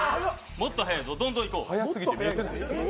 もっと早いぞ、どんどんいこう。